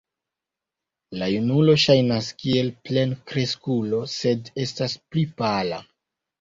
La junulo ŝajnas kiel plenkreskulo, sed estas pli pala.